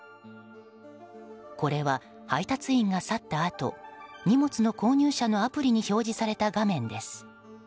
これは、配達員が去ったあと荷物の購入者のアプリに表示された画面です。